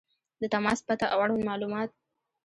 • د تماس پته او اړوند معلومات